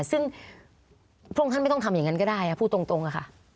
ซึ่งพระองค์ท่านไม่ต้องทำอย่างนั้นก็ได้พูดตรงค่ะ